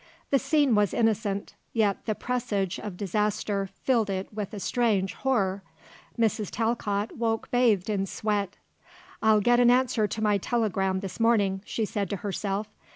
The scene was innocent, yet the presage of disaster filled it with a strange horror. Mrs. Talcott woke bathed in sweat. "I'll get an answer to my telegram this morning," she said to herself.